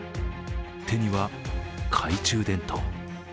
手には懐中電灯。